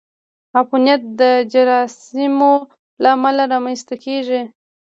عفونت د جراثیمو له امله رامنځته کېږي.